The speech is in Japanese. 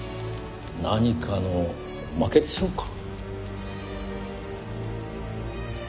何かのおまけでしょうか？